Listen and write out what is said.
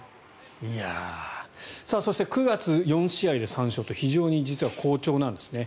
そして９月４試合で３勝と非常に実は好調なんですね。